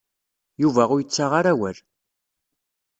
Yuba ur yettaɣ ara awal.